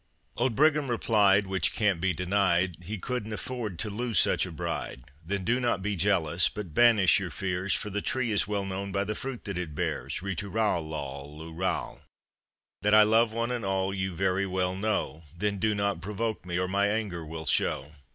Old Brigham replied, which can't be denied, He couldn't afford to lose such a bride. Then do not be jealous but banish your fears; For the tree is well known by the fruit that it bears. Ri tu ral, lol, lu ral. That I love one and all you very well know, Then do not provoke me or my anger will show.